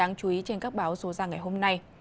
các tin đáng chú ý trên các báo số ra ngày hôm nay